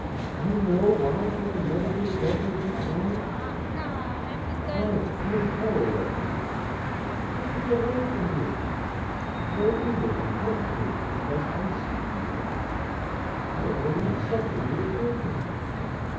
You know why we can never be together as you planned? Try to feel horror of me. Put me away from you. No evil can come to me unless I seek evil. But It will not suffer you to take me.